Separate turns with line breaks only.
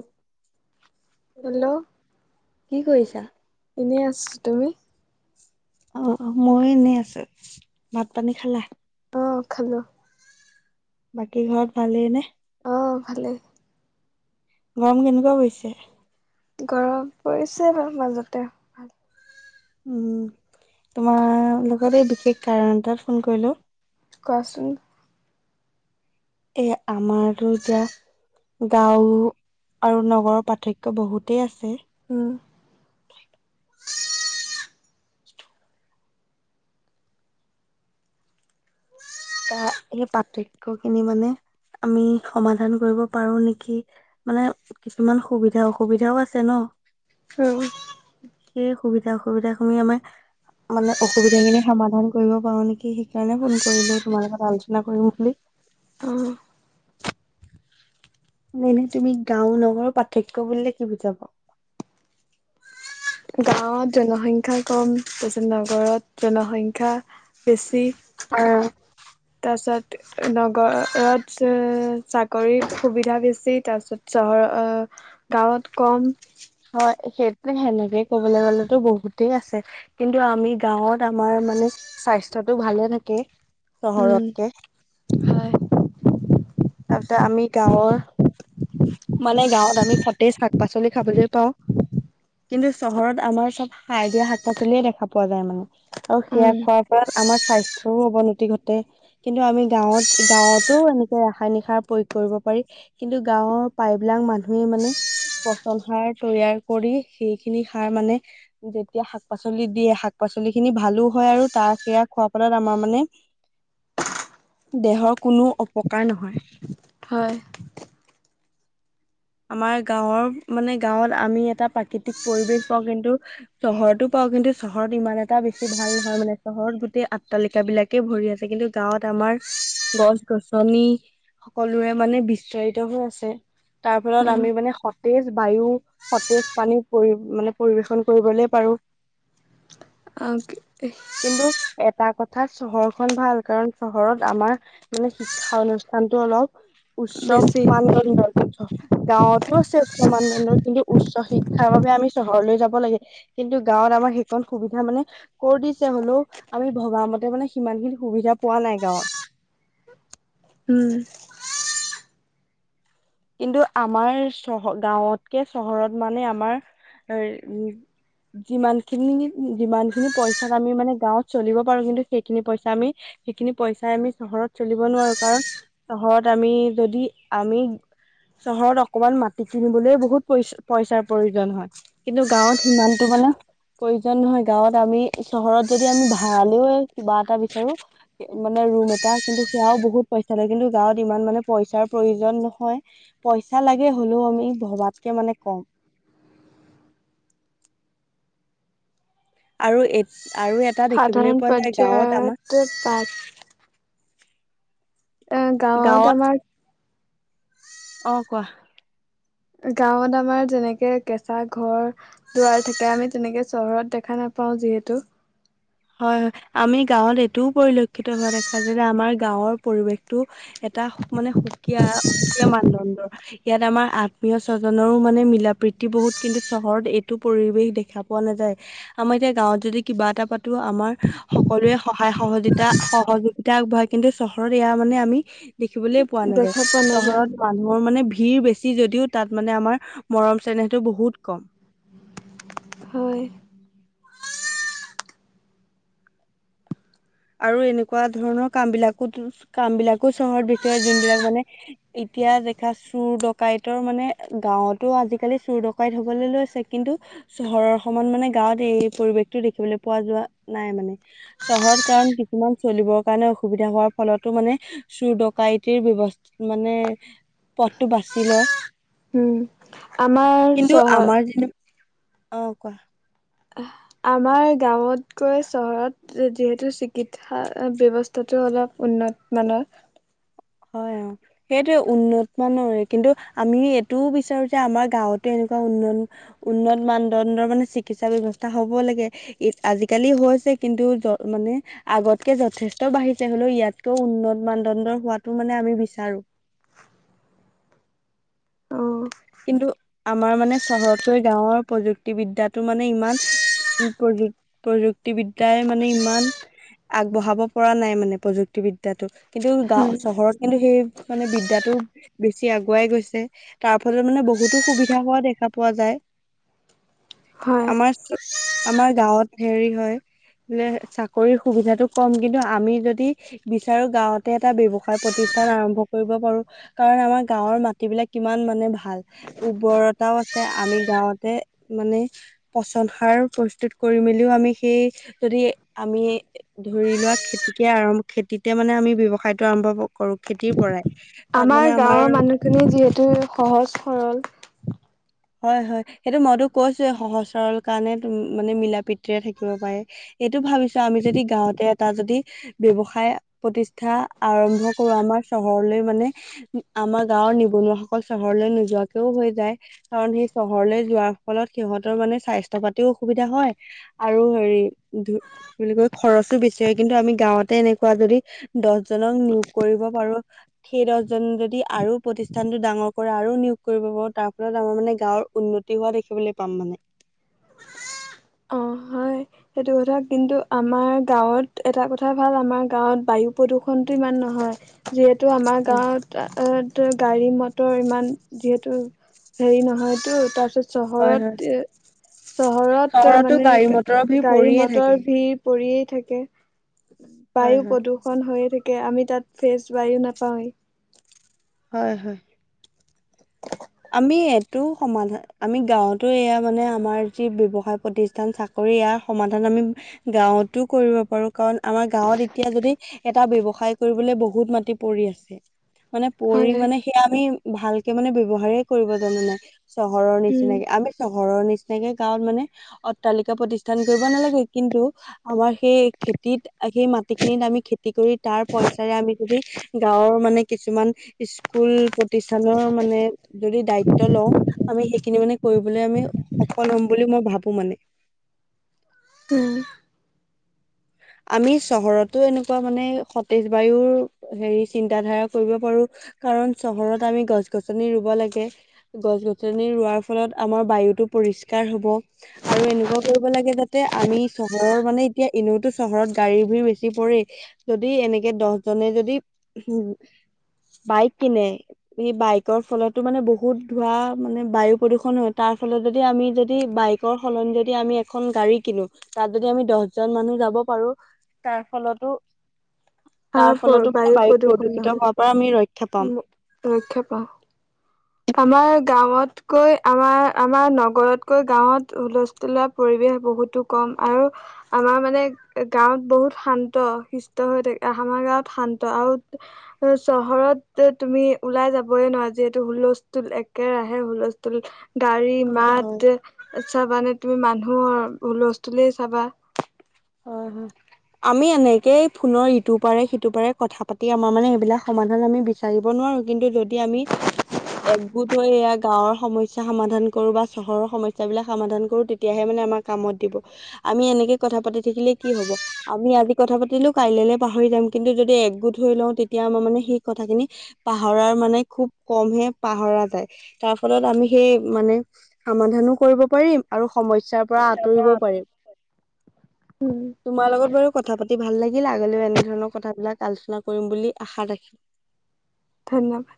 এক
হেল্ল'
[inaudible] কি কৰিছা?
এনেই আছো তুমি
আহ মই এনেই আছো ভাত পানী খালা?
অ খালো
বাকী ঘৰত ভালেই নে?
অ' ভালেই।
গৰম কেনেকুৱা পৰিছে?
গৰম পৰিছে বাৰু মাজতে।
উম, তোমাৰ লগত এই বিশেষ কাৰণ এটাত ফোন কৰিলোঁ।
কোৱাচোন
এই আমাৰতো য্যা গাঁও আৰু নগৰৰ পাৰ্থক্য বহুতেই আছে।
উম।
তা, এই পাৰ্থক্যখিনি মানে আমি সমাধান কৰিব পাৰোঁ নেকি? মানে কিছুমান সুবিধা অসুবিধাও আছে ন'। উম। সেই সুবিধা অসুবিধা খনি আমাৰ মানে অসুবিধাখিনি সমাধান কৰিব পাৰোঁ নেকি সেইকাৰণে ফোন কৰিলোঁ।
অ'।
মানে তুমি গাঁও নগৰ পাৰ্থক্য বুলিলে কি বুজা বাৰু?
গাঁৱত জনসংখ্যা কম তাৰপিছত নগৰত জনসংখ্যা
[unintelligible] অ'।
তাৰ পিছত নগৰত এ, চাকৰি সুবি ধা বেছি তাৰ পাছত চহৰ অ', গাঁৱত কম।
হয় সেইটো হেনেকে ক'বলে গ'লেতো বহুতেই আছে। কিন্তু আমি গাঁৱত আমাৰ মানে স্বাস্থ্যটো ভালে থাকে,
উম
চহৰতকে।
হয়।
তাতে আমি গাঁৱৰ মানে গাঁৱত আমি সতেজ শাক পাচলি খাবলৈ পাওঁ। কিন্তু চহৰত আমাৰ চব সাৰ দিয়া শাক পাচলিয়ে দেখা পোৱা যায় মানে। আৰু সেয়া
উম
খোৱাৰ ফলত আমাৰ স্বাস্থ্যৰো অৱনতি ঘটে। কিন্তু আমি গাঁৱত গাঁৱতো এনেকে সায়ানিক সাৰ প্ৰয়োগ কৰিব পাৰি কিন্তু গাঁৱৰ প্ৰায়বিলাক মানুহে মানে পচন সাৰ তৈয়াৰ কৰি সেইখিনি সাৰ মানে যেতিয়া শাক পাচলিত দিয়ে শাক পাচলি খিনি ভালোঁ হয় আৰু তাৰ সেয়া খোৱাৰ ফলত আমাৰ মানে দেহৰ কোনো অপকাৰ নহয়।
হয়।
আমাৰ গাঁৱৰ মানে গাঁৱত আমি এটা প্ৰাকৃতিক পৰিৱেশ পাওঁ কিন্তু চহৰতো পাওঁ কিন্তু চহৰত ইমান এটা বেছি ভাল নহয় মানে চহৰত গোটেই আট্টালিকা বিলাক কে ভৰি আছে কিন্তু গাঁৱত আমাৰ গছ গছনি সকলোৰে মানে বিস্তাৰিত হৈ আছে তাৰ ফলত আমি
উম
মানে সত তেজ বায়ু, সতেজ পানী পৰি মানে পৰিবেশন কৰিবলে পাৰোঁ।
[unintelligible]
কিন্তু এটা কথাত চহৰখন ভাল কাৰণ চহৰত আমাৰ মানে শিক্ষা অনুষ্ঠানটো অলপ উচ্চ
বেছি
মানদণ্ডৰ [unintelligible] গাঁৱতো আছে উচ্চ মানদণ্ডৰ কিন্তু উচ্চ শিক থাৰ বাবে আমি চহৰলৈ যাব লাগে কিন্তু গাঁৱত আমাৰ সেইকণ সুবিধা মানে ক'ৰ দিছে হ'লেও আমি ভবামতে মানে সিমান খিনি সুবিধা পোৱা নাই গাঁৱৰ
উম।
কিন্তু আমাৰ চহ গাঁৱতকে চহৰত মানে আমাৰ এ, উম যিমানখিনি যিমানখিনি পইচা আমি মানে গাঁৱত চলিব পাৰোঁ কিন্তু সেইখিনি পইচা আমি সেইখিনি পইচাই আমি চহৰত চলিব নোৱাৰোঁ কাৰণ চহৰত আমি যদি আমি চহৰত অকমান মাটি কিনিবলৈ বহুত পইচ পইচাৰ প্ৰয়োজন হয়। কিন্তু গাঁৱত সিমানটো মানে প্ৰয়োজন নহয় গাঁৱত আমি চহৰত যদি আমি ভাড়ালেও কিবা এটা বিচাৰো। মানে ৰুম এটা কিন্তু সেয়াও বহুত পইচা লাগে কিন্তু গাঁৱত ইমান মানে পইচাৰ প্ৰয়োজন নহয়। পইচা লাগে হ'লেও আমি ভবাতকে মানে কম। আৰু এ আৰু এটা দেখিবলৈ পোৱা যায় গাঁৱত আমাৰ
উ্ত পাঁচ অ', গাঁৱত আমাৰ
অ', কোৱা
গাঁৱত আমাৰ যেনেকে কেঁচা ঘৰ দুৱাৰ থাকে আমি তেনেকে চহৰত দেখা নাপাওঁ যিহেতু
হয়, হয়। আমি গাঁৱত এইটোও পৰিলক্ষিত হোৱা দেখা যে, যে, আমাৰ গাঁৱৰ পৰিৱেশটো এটা মানে সুকীয়া সুকীয়া মানদণ্ডৰ ইয়াত আমাৰ আত্মীয় স্বজনৰো মানে মিল প্ৰতি বহুত কিন্তু চহৰত এইটো পৰিৱেশ দেখা পোৱা নাযায়। আমাৰ এতিয়া গাঁৱত যদি কিবা এটা পাতো আমাৰ সকলোৱে সহায় সহযিতা সহযোগিতা আগবঢ়ায় কিন্তু চহৰত ইয়া মানে আমি দেখিবলৈ পোৱা নাযায়
দেখা পোৱা
চহৰত
নাযায়
মানুহৰ মানে ভিৰ বেছি যদিও তাত মানে আমাৰ মৰম চেনেহটো বহুত কম
হয়।
আৰু এনেকুৱা ধৰণৰ কাম বিলাকো কাম বিলাকো চহৰত বেচি যোনবিলাক মানে এতিয়া দেখা চুৰ ডকাইতৰ মানে গাঁৱতো আজিকালি চুৰ ডকাইত হবলৈ লৈছে কিন্তু চহৰৰ সমান মানে গাঁৱত এই পৰিৱেশতটো দেখিবলৈ পোৱা যোৱা নাই, মানে চহৰত কাৰণ কিছুমান চলিবৰ কাৰণে অসুবিধা হোৱাৰ ফলতো মানে চুৰ ডকাইতিৰ ব্যৱস্থা মানে পথটো বাছি লয়।
উম আমাৰ
কিন্তু
চহৰ
আমাৰ যে অ', কোৱা
আমাৰ গাঁৱতকৈ চহৰত যিহেতু চিকিৎসা ব্যৱস্থাটো অলপ উন্নত মানৰ
হয়। অ', সেইটোৱে উন্নত মানৰে কিন্তু আমি এইটোও বিচাৰো যে আমাৰ গাঁৱতো এনেকুৱা উন্নত উন্নত মানদণ্ডৰ মানে চিকিৎসা ব্য্ৱস্থা হ'ব লাগে। ই আজিকালি হৈছে। কিন্তু মানে আগতকে যথেষ্ট বাঢ়িছে হলেও ইয়াতকও উন্নত মানদণ্ডৰ হোৱাটো মানে আমি বিচাৰো।
অ
কিন্তু আমাৰ মানে চহৰতকৈ গাঁৱৰ প্ৰযুক্তিবিদ্যা টো মানে ইমান প্ৰযু প্ৰযুক্তিবিদ্যয়াই মানে ইমান আগবঢ়াব পৰা নাই মানে প্ৰযুক্তিবিদ্যাতোক কিন্তু গা চহৰত কিন্তু সেই মানে বিদ্যাটো বেছি আগুৱাই গৈছে। তাৰ ফলত মানে বহুতো সুবিধা হোৱা দেখা পোৱা যায়।
হয়
আমাৰ আমাৰ গাঁৱত হেৰি হয়। বোলে চাকৰিৰ সুবিধাতটো কম কিন্তু আমি যদি বিচাৰো গাঁওঁতে এটা ব্য্ৱসায় প্ৰতিষ্ঠান আৰম্ভ কৰিব পাৰো। কাৰণ আমাৰ গাঁৱৰ মাটিবিলাক কিমান মানে ভাল উৰ্বৰতাও আছে। আমি গাঁৱতে মানে পচন সাৰ প্ৰস্তুত কৰি মেলিও আমি সেই যদি আমি ধৰি লোৱা খেতিকে আৰম্ খেতিতে মানে আমি ব্যৱসায়তো আৰম্ভ কৰো খেতিৰ পৰাই। তাত
আমাৰ
মানে
গাঁওৰ মানুহখিনি যিহেতু সহজ সৰল
হয় হয় সেইটো মইতো কৈছো সহজৰৰ কাৰণে মানে মিলা প্ৰীতিৰে থাকিব পাৰে। এইটো ভাবিছো আমি যদি গাঁৱতে এটা যদি ব্য়ৱসায় প্ৰতিষ্ঠা আৰম্ভ কৰো আমাৰ চহৰলৈ মানে আমাৰ গাঁৱৰ নিবনুৱাাসকল চহৰলৈ নোযোৱাকেও হৈ যায়। কাৰণ সেই চহৰলৈ যোৱাৰ ফলত সিহঁতৰ মানে স্বাস্থ্য পাতিও অসুবিধা হয়। আৰু হেৰি ধ কি বুলি কয় খৰচো বেছি হয়। কিন্তু আমি গাঁওঁতে এনেকুৱা যদি দহ জনক নিয়োগ কৰিব পাৰো। সেই দহজনে যদি আৰু প্ৰতিষ্ঠানতটো ডাঙৰ কৰে আৰু নিয়োগ কৰিব পাৰো তাৰ ফলত আমাৰ মানে গাঁৱৰ উন্নতি হোৱা দেখিবলৈ পাম মানে।
অ', হয়। সেইটো কথা কিন্তু, আমাৰ গাঁৱত এটা কথা ভাল আমাৰ গাঁৱত বায়ু প্ৰদূষণটো ইমান নহয়। যিহেতু আমাৰ
হয়
গাঁৱত গাড়ী মটৰ ইমান যিহেতু হেৰি নহয়তো তাৰ পিছত
হয় হয়
চহৰত এ, চহৰত
চহৰতো
মানে
গাড়ী মটৰৰ ভিৰ
গাড়ী
পৰিয়ে
মটৰ
থাকে
ভিৰ পৰিয়ে থাকে।
হয়
বায়ু
হয়।
প্ৰদূষণ হৈয়ে থাকে। তাকে আমি তাত ফ্ৰেচ বায়ু নাপাৱেই।
হয় হয়। আমি এইটো সমাধান, আমি গাঁৱতো এয়া মানে আমাৰ যি ব্যৱসায় প্ৰতিষ্ঠ সান চাকৰি ইয়াৰ সমাধান আমি গাঁৱতো কৰিব পাৰোঁ কাৰণ আমাৰ গাঁৱত এতিয়া যদি এটা ব্যৱসায় কৰিবলৈ বহুত মাটি পৰি আছে। মানে পৰি
হয়
মানে সেয়া আমি ভালকে মানে ব্যৱহাৰ কৰিব জনা নাই। চহৰৰ
উম,
নিচিনাকি, আমি চ ঘৰৰ নিচিনাকে গাঁৱত মানে অট্টালিকা প্ৰতিষ্ঠান কৰিব নালাগে, কিন্তু আমাৰ সেই খেতিত সেই মাটি খিনিত আমি খেতি কৰি তাৰ পইচাৰে আমি যদি গাঁৱৰ মানে কিছুমান স্কুল প্ৰতিষ্ঠানৰ মানে যদি দায়িত্ব লওঁ। আ, সেইখিনি মানে কৰিবলৈ আমি সফল হ'ম বুলি মই ভাবোঁ মানে।
উম।
আমি চহৰতো এনেকুৱা মানে সতেজ বায়ুৰ হেৰি চিন্ত ধাৰা কৰিব পাৰোঁ কাৰণ চহৰত আমি গছ গছনি ৰুব লাগে। গছ গছনি ৰোৱাৰ ফলত আমাৰ বায়ুতটো পৰিষ্কাৰ হ'ব। আৰু এনেকুৱা কৰিব লাগে, যাতে আমি চহৰৰ মানে এতিয়া এনেওতো চহৰত গাড়ী ভু় বেছি পৰে যদি এনেকে দহজনে যদি উম, বাইকনে স, বাইকৰ ফলতো মানে বহুত ধোৱা মানে বায়ু প্ৰদূষণ হয়। তাৰফলত যদি আমি যদি বাইক কৰ সলনি যদি এখন গাড়ী কিনো, তাত যদি দ জন মানুহ যাব পাৰোঁ, তাৰ ফলতো তাৰ
আমাৰ
ফলতো মানে বায়ু
প্ৰদূষণ
প্ৰদূষিত
নহয়
হোৱাৰ পৰা আমি ৰক্ষা পাম।
ৰক্ষা পাও।
[inaudible]
আমাৰ গাঁৱতকৈ আমাৰ আমাৰ নগৰতকৈ গাঁৱত হুলস্থ তলৰ পৰিৱেশ বহুতো কম আৰু আমাৰ মানে গাঁৱত বহুত শান্ত সুস্থ হৈ থাকে। আমাৰ গাঁৱত শান্ত আৰু অ' চহৰত তুমি ওলাই যাবয়ে নোৱাৰা যিহেতু হুলস্থুল একেৰাহে হুলস্থুল। গাড়ী
হয় হয়
মাত চাবানে তুমি মানুহৰ হস্থুল চাবা।
হয় হয়। আমি এনেকেই ফোনৰ ইটো পাৰে সিটো পাৰে কথা পাতি আমাৰ মানে এইবিলাক সমাধান আমি বিচাৰিব নোৱাৰো কিন্তু যদি আমি একগোট হৈ এয়া গাঁৱৰ সমস্যা সমাধান কৰো, বা চহৰৰ সমস্যাবিলাক সমাধান কৰো তেতিয়াহে মানে আমাৰ কামত দিব, আমি এনেকে কথা পাতি থাকিলে কি হ'ব। আমি আজি কথা পাতিলো কাইলে পাহৰি যাম, কিন্তু যদি একগোট হৈ লওঁ তেতিয়া আমাৰ মানে সেই কথাখিনি পাহৰাৰ মানে খুব কমহে পাহৰা যায়। তাৰ ফলত আমি সেই মানে সমাধানো কৰিব পাৰিম আৰু সমস্যাৰ পৰা
আ,
আঁতৰিবও পাৰিম।
উম।
তোমাৰ লগত বাৰু কথা পাতি ভাল লাগিল। আগলৈও এনেধৰণৰ কথাবিলাক আলোচনা কৰিম বুলি আশা ৰাখিল।
ধন্যবাদ।